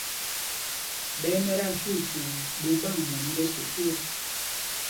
Ɓɛ́ ɛ́ mɛt ajyuujyuu ɓot ɓâŋ mɔní ɓɛ sukûl ɔ.